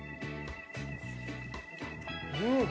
うん。